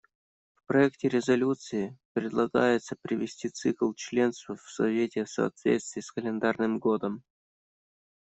В проекте резолюции предлагается привести цикл членства в Совете в соответствие с календарным годом.